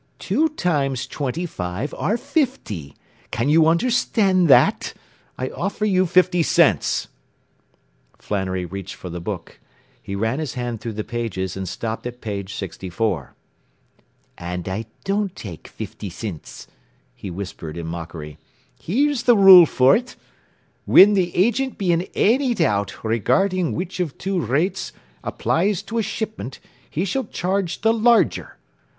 Two times twenty five are fifty! Can you understand that? I offer you fifty cents.” Flannery reached for the book. He ran his hand through the pages and stopped at page sixty four. “An' I don't take fifty cints,” he whispered in mockery. “Here's the rule for ut. 'Whin the agint be in anny doubt regardin' which of two rates applies to a shipment, he shall charge the larger.